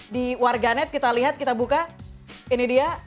di warganet kita lihat kita buka ini dia